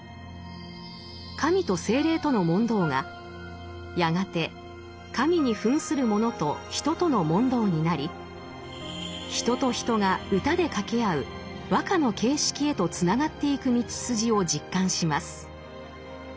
神と精霊との問答がやがて神に扮する者と人との問答になり人と人が歌で掛け合う和歌の形式へとつながっていく道筋を実感します。